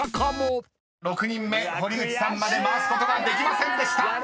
［６人目堀内さんまで回すことができませんでした］